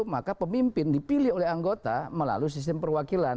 maka pemimpin dipilih oleh anggota melalui sistem perwakilan